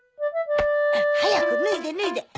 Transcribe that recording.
早く脱いで脱いで。